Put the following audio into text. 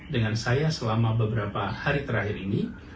dengan saya selama beberapa hari terakhir ini